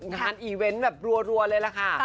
งานอีเวนต์แบบรัวเลยล่ะค่ะ